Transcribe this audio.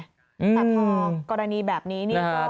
แต่พอกรณีแบบนี้นี่ก็